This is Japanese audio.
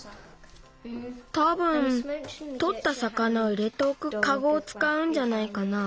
たぶんとったさかなを入れておくカゴをつかうんじゃないかな。